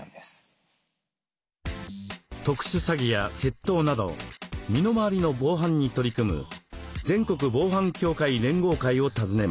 特殊詐欺や窃盗など身の回りの防犯に取り組む「全国防犯協会連合会」を訪ねました。